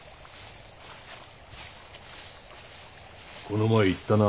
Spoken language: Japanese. この前言ったな。